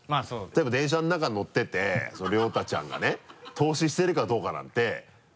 例えば電車の中乗ってて諒太ちゃんがね透視してるかどうかなんて分からない。